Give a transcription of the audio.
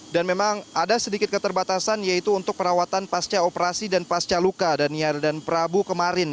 dan memang ada sedikit keterbatasan yaitu untuk perawatan pasca operasi dan pasca luka dan perabu kemarin